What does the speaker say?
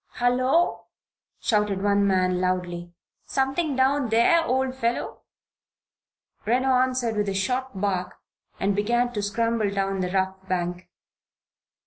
"Hullo!" shouted one man, loudly. "Something down there, old fellow?" Reno answered with a short bark and began to scramble down the rough bank.